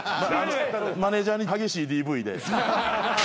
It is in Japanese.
マネジャーに激しいＤＶで。